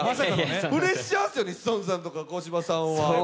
プレッシャーですよね、志尊さんとか小芝さんは。